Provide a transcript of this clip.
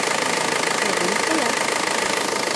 Оҙон ҡолаҡ.